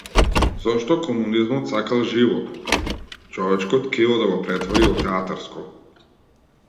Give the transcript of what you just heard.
Зошто комунизмот сакал живото, човечко ткиво да го претвори во театарско?